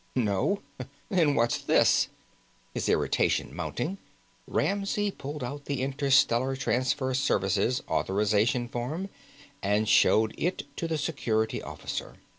"No? Then what's this?" His irritation mounting, Ramsey pulled out the Interstellar Transfer Service authorization form and showed it to the Security Officer.